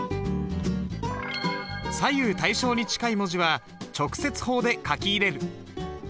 左右対称に近い文字は直接法で書き入れる。